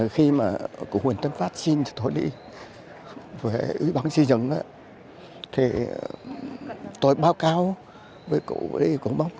khi cử huỳnh tâm pháp xin tôi đi với b ingenia an thất